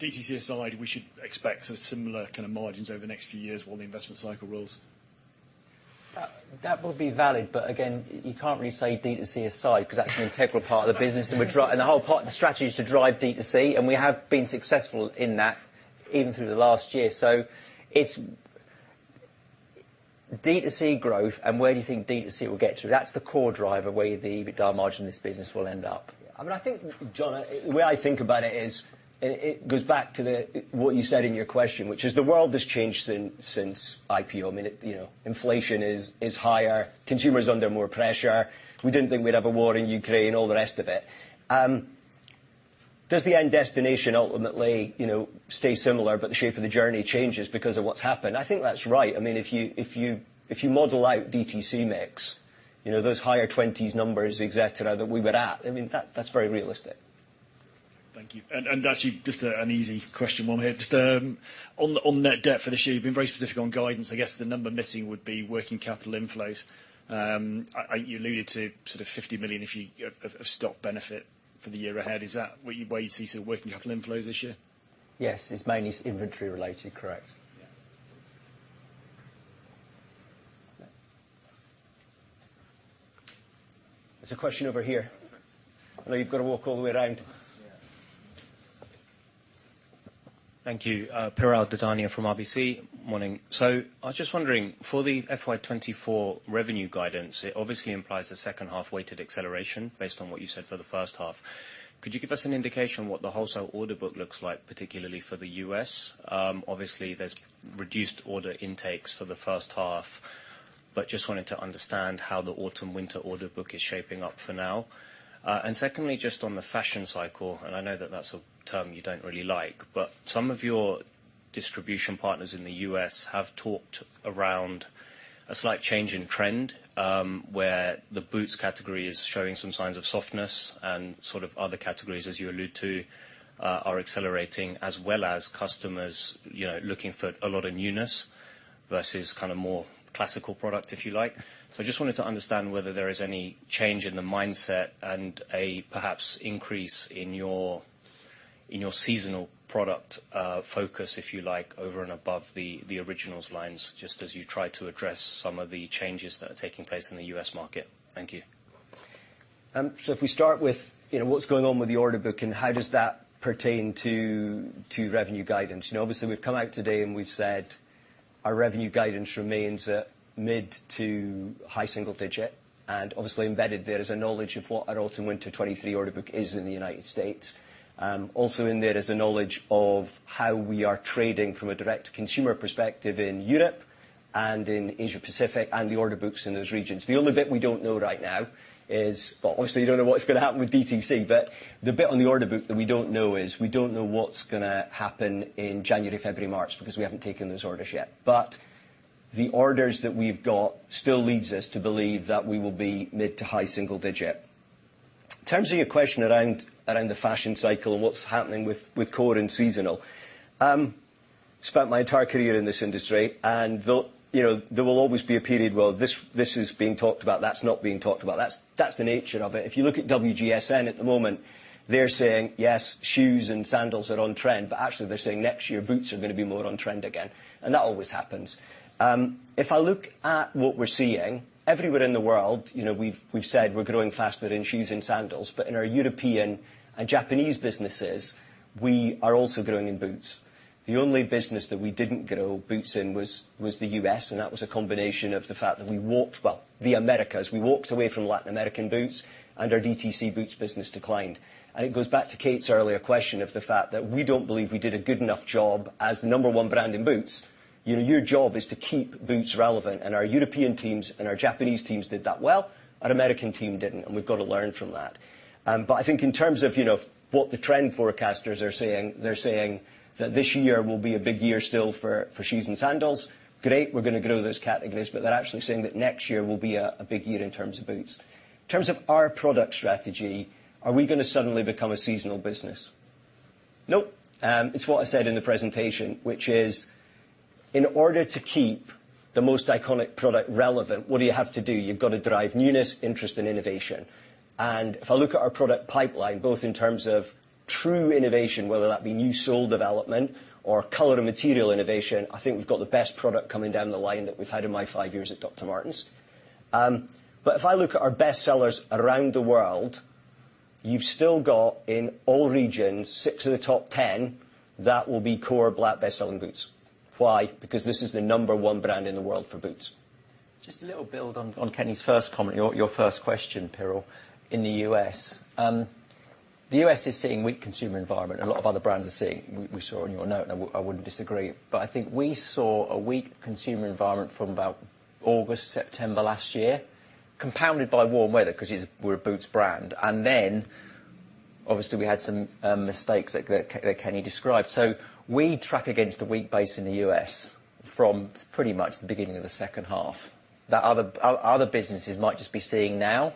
F: DTC aside, we should expect some similar kind of margins over the next few years while the investment cycle rolls?
B: That would be valid, but again, you can't really say DTC aside, 'cause that's an integral part of the business, and the whole part of the strategy is to drive DTC, and we have been successful in that even through the last year. It's DTC growth. Where do you think DTC will get to? That's the core driver, where the EBITDA margin in this business will end up.
A: I mean, I think, John, the way I think about it is, and it goes back to what you said in your question, which is the world has changed since IPO. I mean, you know, inflation is higher, consumer is under more pressure. We didn't think we'd have a war in Ukraine, and all the rest of it. Does the end destination ultimately, you know, stay similar, but the shape of the journey changes because of what's happened? I think that's right. I mean, if you model out DTC mix, you know, those higher 20s numbers, et cetera, that we were at, I mean, that's very realistic.
F: Thank you. Actually, just an easy question on here. Just on net debt for this year, you've been very specific on guidance. I guess the number missing would be working capital inflows. You alluded to sort of 50 million stock benefit for the year ahead. Is that where you see sort of working capital inflows this year?
A: Yes, it's mainly inventory related, correct. Yeah. There's a question over here. I know you've got to walk all the way around.
G: Yeah.
H: Thank you. Piral Dadhania from RBC. Morning. I was just wondering, for the FY24 revenue guidance, it obviously implies a second half-weighted acceleration based on what you said for the first half. Could you give us an indication what the wholesale order book looks like, particularly for the U.S.? obviously, there's reduced order intakes for the first half, but just wanted to understand how the autumn/winter order book is shaping up for now. Secondly, just on the fashion cycle, and I know that that's a term you don't really like, but some of your distribution partners in the U.S. have talked around a slight change in trend, where the boots category is showing some signs of softness and sort of other categories, as you allude to, are accelerating, as well as customers, you know, looking for a lot of newness versus kind of more classical product, if you like. I just wanted to understand whether there is any change in the mindset and a perhaps increase in your, in your seasonal product, focus, if you like, over and above the Originals lines, just as you try to address some of the changes that are taking place in the U.S. market. Thank you.
A: If we start with, you know, what's going on with the order book and how does that pertain to revenue guidance. You know, obviously, we've come out today, we've said our revenue guidance remains at mid to high single digit, obviously embedded there is a knowledge of what our autumn/winter 23 order book is in the United States. Also in there is a knowledge of how we are trading from a direct consumer perspective in Europe and in Asia-Pacific, the order books in those regions. The only bit we don't know right now is. Well, obviously, you don't know what's gonna happen with DTC, but the bit on the order book that we don't know is, we don't know what's gonna happen in January, February, March, because we haven't taken those orders yet. The orders that we've got still leads us to believe that we will be mid to high single digit. In terms of your question around the fashion cycle and what's happening with core and seasonal. Spent my entire career in this industry, and though, you know, there will always be a period, well, this is being talked about, that's not being talked about. That's the nature of it. If you look at WGSN at the moment, they're saying, "Yes, shoes and sandals are on trend," actually, they're saying next year, boots are gonna be more on trend again, that always happens. If I look at what we're seeing, everywhere in the world, you know, we've said we're growing faster in shoes and sandals, in our European and Japanese businesses, we are also growing in boots. The only business that we didn't grow boots in was the U.S. That was a combination of the fact that Well, the Americas. We walked away from Latin American boots, our DTC boots business declined. It goes back to Kate's earlier question of the fact that we don't believe we did a good enough job as the number 1 brand in boots. You know, your job is to keep boots relevant, our European teams and our Japanese teams did that well, our American team didn't, we've got to learn from that. I think in terms of, you know, what the trend forecasters are saying, they're saying that this year will be a big year still for shoes and sandals. Great, we're gonna grow those categories, but they're actually saying that next year will be a big year in terms of boots. In terms of our product strategy, are we gonna suddenly become a seasonal business? Nope. It's what I said in the presentation, which is: In order to keep the most iconic product relevant, what do you have to do? You've got to drive newness, interest, and innovation. If I look at our product pipeline, both in terms of true innovation, whether that be new sole development or color and material innovation, I think we've got the best product coming down the line that we've had in my five years at Dr. Martens. If I look at our best sellers around the world, you've still got, in all regions, six of the top 10 that will be core black best-selling boots. Why? This is the number one brand in the world for boots.
B: Just a little build on Kenny's first comment, your first question, Piral, in the U.S. The U.S. is seeing weak consumer environment. A lot of other brands are seeing. We saw in your note, and I wouldn't disagree, but I think we saw a weak consumer environment from about August, September last year, compounded by warm weather, 'cause we're a boots brand. Obviously, we had some mistakes that Kenny described. We track against a weak base in the U.S. from pretty much the beginning of the second half, that other businesses might just be seeing now.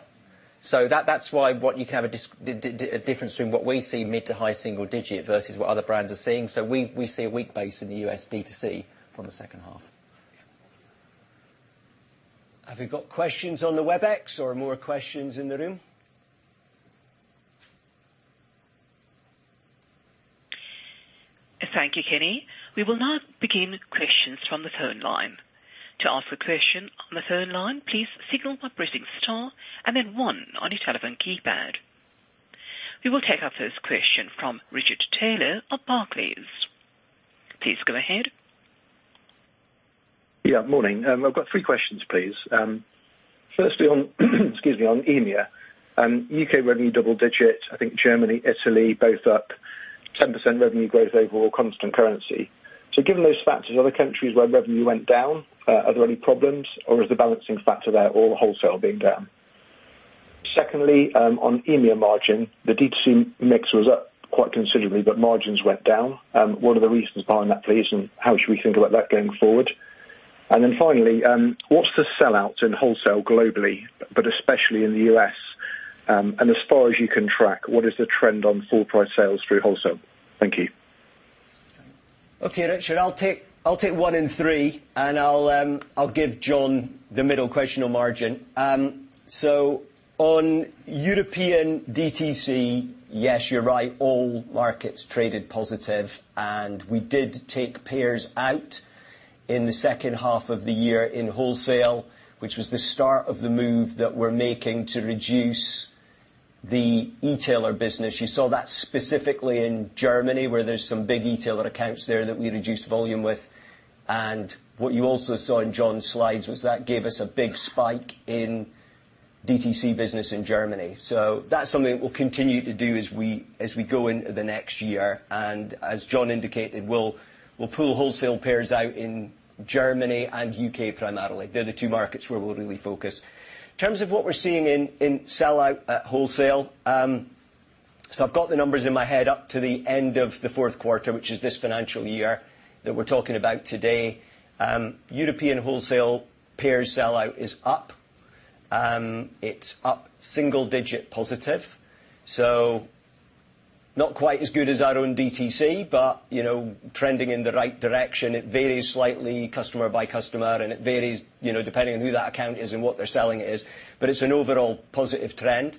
B: That's why what you can have a difference between what we see mid to high single-digit versus what other brands are seeing. We see a weak base in the U.S. D2C from the second half.
A: Have we got questions on the Webex or more questions in the room?
G: Thank you, Kenny. We will now begin questions from the phone line. To ask a question on the phone line, please signal by pressing star and then one on your telephone keypad. We will take our first question from Richard Taylor of Barclays. Please go ahead.
I: Yeah, morning. I've got 3 questions, please. Firstly, on, excuse me, on EMEA, UK revenue, double digit. I think Germany, Italy, both up 10% revenue growth overall, constant currency. Given those factors, other countries where revenue went down, are there any problems, or is the balancing factor there all wholesale being down? Secondly, on EMEA margin, the DTC mix was up quite considerably, but margins went down. What are the reasons behind that, please, and how should we think about that going forward? Finally, what's the sellout in wholesale globally, but especially in the U.S.? As far as you can track, what is the trend on full price sales through wholesale? Thank you.
A: Okay, Richard, I'll take one and three, and I'll give John the middle question on margin. On European DTC, yes, you're right, all markets traded positive, and we did take pairs out in the second half of the year in wholesale, which was the start of the move that we're making to reduce the e-tailer business. You saw that specifically in Germany, where there's some big e-tailer accounts there that we reduced volume with. What you also saw in John's slides was that gave us a big spike in DTC business in Germany. That's something that we'll continue to do as we go into the next year, and as John indicated, we'll pull wholesale pairs out in Germany and U.K., primarily. They're the two markets where we're really focused. In terms of what we're seeing in sell-out at wholesale, I've got the numbers in my head up to the end of the fourth quarter, which is this financial year that we're talking about today. European wholesale pair sell-out is up. It's up single digit positive, not quite as good as our own DTC, but, you know, trending in the right direction. It varies slightly customer by customer, and it varies, you know, depending on who that account is and what they're selling is, but it's an overall positive trend.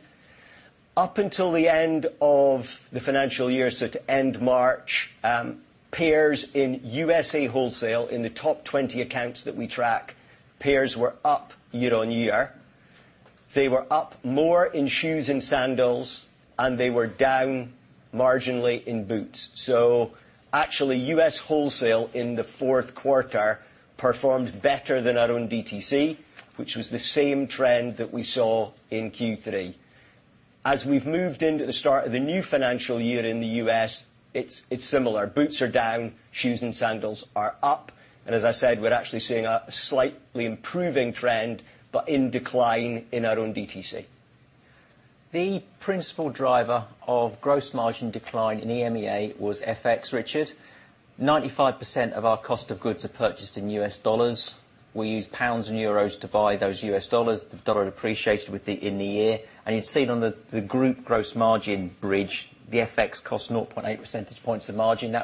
A: Up until the end of the financial year, to end March, pairs in USA wholesale, in the top 20 accounts that we track, pairs were up year-on-year. They were up more in shoes and sandals, and they were down marginally in boots. Actually, U.S. wholesale in Q4 performed better than our own DTC, which was the same trend that we saw in Q3. As we've moved into the start of the new financial year in the U.S., it's similar. Boots are down, shoes and sandals are up, and as I said, we're actually seeing a slightly improving trend, but in decline in our own DTC.
B: The principal driver of gross margin decline in EMEA was FX, Richard. 95% of our cost of goods are purchased in US dollars. We use pounds and euros to buy those US dollars. The dollar appreciated in the year, and you'd seen on the group gross margin bridge, the FX cost 0.8 percentage points of margin.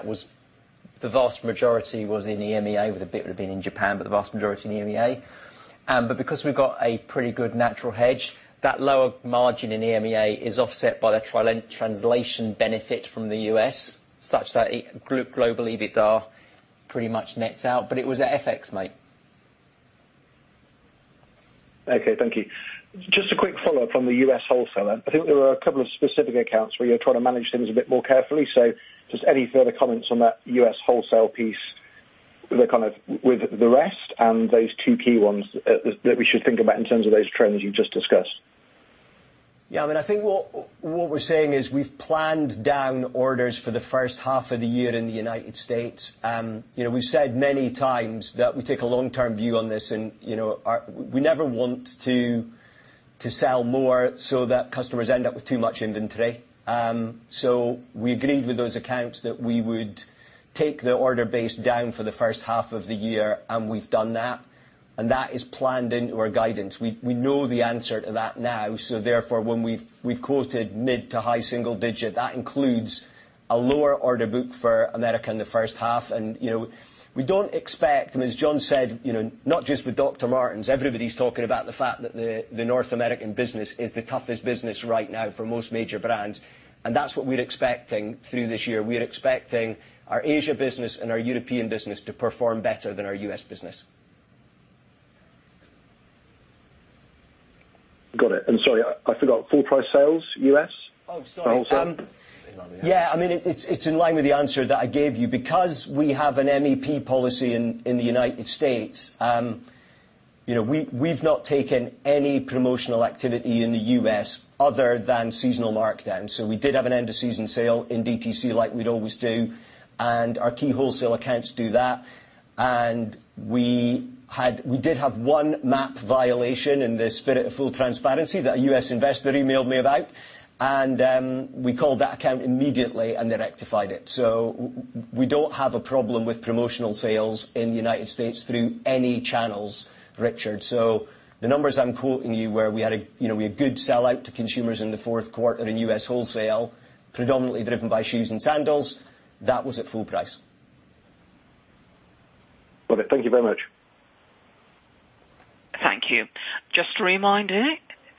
B: The vast majority was in EMEA, with a bit would have been in Japan, but the vast majority in EMEA. Because we've got a pretty good natural hedge, that lower margin in EMEA is offset by the translation benefit from the US, such that it, group, globally, EBITDA pretty much nets out, but it was at FX, mate.
I: Okay, thank you. Just a quick follow-up on the U.S. wholesaler. I think there are a couple of specific accounts where you're trying to manage things a bit more carefully. Just any further comments on that U.S. wholesale piece with the rest and those two key ones that we should think about in terms of those trends you've just discussed?
A: I mean, I think what we're saying is we've planned down orders for the first half of the year in the United States. you know, we've said many times that we take a long-term view on this and, you know, We never want to sell more so that customers end up with too much inventory. We agreed with those accounts that we would take the order base down for the first half of the year, and we've done that, and that is planned into our guidance. We know the answer to that now, therefore, when we've quoted mid to high single digit, that includes a lower order book for America in the first half. you know, we don't expect, and as John said, you know, not just with Dr. Martens, everybody's talking about the fact that the North American business is the toughest business right now for most major brands. That's what we're expecting through this year. We're expecting our Asia business and our European business to perform better than our US business.
I: Got it. Sorry, I forgot, full price sales, U.S.?
A: Oh, sorry.
I: Wholesale.
A: Yeah, I mean, it's, it's in line with the answer that I gave you. We have an MAP policy in the United States, you know, we've not taken any promotional activity in the U.S. other than seasonal markdowns. We did have an end of season sale in DTC, like we'd always do, and our key wholesale accounts do that. We did have one MAP violation in the spirit of full transparency, that a U.S. investor emailed me about, and we called that account immediately, and they rectified it. We don't have a problem with promotional sales in the United States through any channels, Richard. The numbers I'm quoting you, where we had, you know, we had good sell-out to consumers in the fourth quarter in US wholesale, predominantly driven by shoes and sandals, that was at full price.
I: Got it. Thank you very much.
G: Thank you. Just a reminder,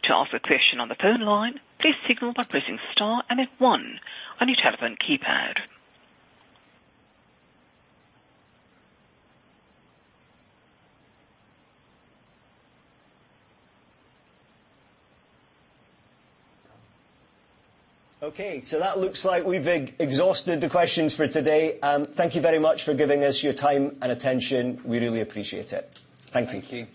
G: to ask a question on the phone line, please signal by pressing star and then 1 on your telephone keypad.
A: Okay, that looks like we've exhausted the questions for today. Thank you very much for giving us your time and attention. We really appreciate it. Thank you.
B: Thank you.